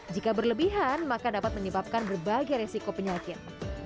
jika berlebihan maka dapat menyebabkan berbagai resiko penyakit